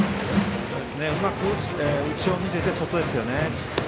うまく内を見せて外ですね。